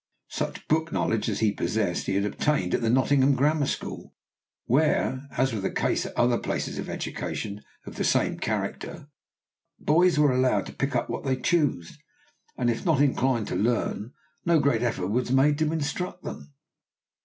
Such book knowledge as he possessed he had obtained at the Nottingham Grammar School, where, as was the case at other places of education of the same character, boys were allowed to pick up what they chose, and if not inclined to learn, no great effort was made to instruct them.